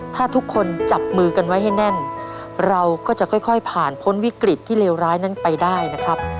ถ้าทุกคนจับมือกันไว้ให้แน่นเราก็จะค่อยผ่านพ้นวิกฤตที่เลวร้ายนั้นไปได้นะครับ